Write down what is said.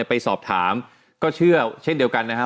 ไปสอบถามก็เชื่อเช่นเดียวกันนะครับ